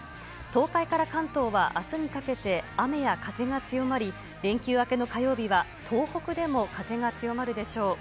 東海から関東はあすにかけて雨や風が強まり、連休明けの火曜日は東北でも風が強まるでしょう。